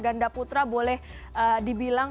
gandaputra boleh dibilang